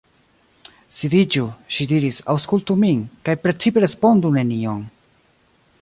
Sidiĝu, ŝi diris, aŭskultu min, kaj precipe respondu nenion.